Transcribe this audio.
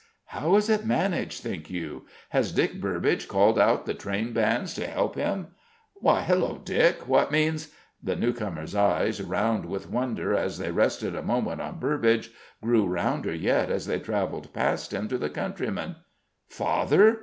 How is it managed, think you? Has Dick Burbage called out the train bands to help him? Why, hullo, Dick! What means " The newcomer's eyes, round with wonder as they rested a moment on Burbage, grew rounder yet as they travelled past him to the countryman. "Father?"